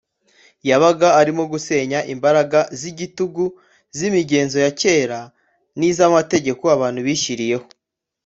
Yabaga arimo gusenya imbaraga z’igitugu z’imigenzo ya kera n’iz’amategeko abantu bishyiriyeho